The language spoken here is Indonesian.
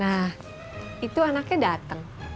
nah itu anaknya datang